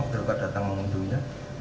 tergugat datang menguntunginya